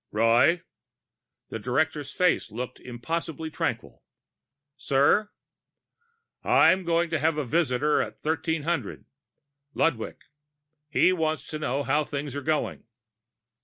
"Roy?" The director's face looked impossibly tranquil. "Sir?" "I'm going to have a visitor at 1300. Ludwig. He wants to know how things are going."